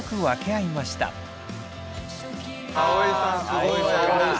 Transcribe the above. すごいわ。